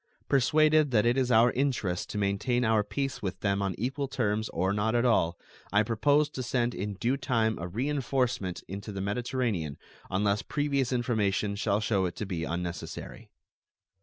Persuaded that it is our interest to maintain our peace with them on equal terms or not at all, I propose to send in due time a reenforcement into the Mediterranean unless previous information shall show it to be unnecessary.